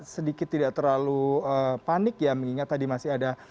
sedikit tidak terlalu panik ya mengingat tadi masih ada